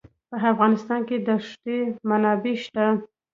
په افغانستان کې د ښتې منابع شته.